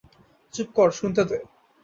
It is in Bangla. চুপ কর, শুনতে দে।